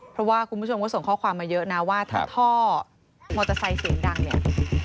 เพราะว่าคุณผู้ชมก็ส่งข้อความมาเยอะนะว่าถ้าท่อมอเตอร์ไซค์เสียงดังเนี่ย